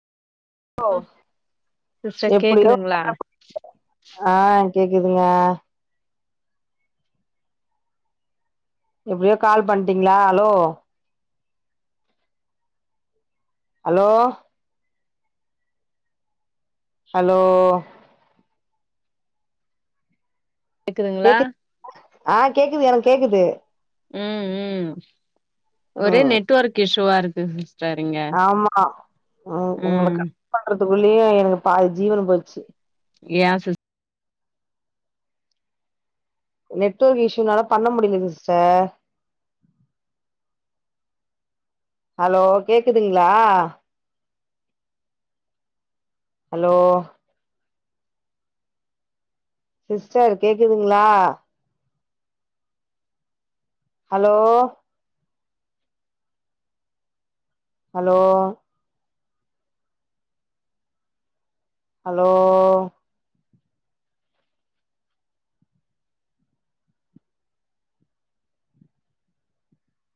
ஓ sister எப்புடியோ கேக்குதுங்களா [inaudible] ஆ கேக்குதுங்க எப்டியோ கால் பண்டீங்லா ஹலோ ஹலோ ஹலோ கேக்குதுங்களா கேக்குது ஆ கேக்குது எனக் கேக்குது ம் ம் ஒரே ம் நெட்ஒர்க் இசூவா இருக்கு சிஸ்டர் இங்க ஆமா உ உங்கள ம் கனெக்ட பண்றதுகுள்ளயே எனக்கு பாதி ஜீவன் போச்சு ஏ சிஸ் நெட்ஒர்க் இசூனாலோ பண்ண முடில சிஸ்டர் ஹலோ கேக்குதுங்லா ஹலோ சிஸ்டர் கேக்குதுங்களா ஹலோ ஹலோ ஹலோ